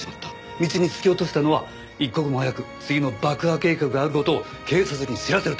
道に突き落としたのは一刻も早く次の爆破計画がある事を警察に知らせるため。